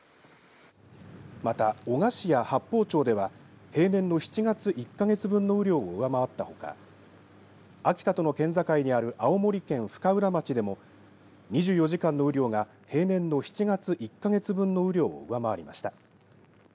また男鹿市や八峰町では平年の７月１か月分の雨量を上回ったほか秋田との県境にある青森県深浦町でも２４時間の雨量が平年の７月１か月分の雨量を上回りました。